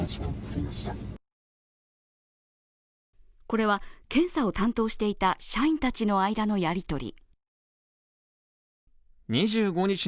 これは検査を担当していた社員たちの間のやりとり。